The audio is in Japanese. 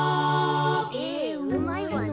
絵うまいわね。